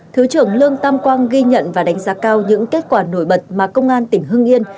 thứ trưởng lương tam quang ghi nhận và đánh giá cao những kết quả nổi bật mà công an tỉnh hưng yên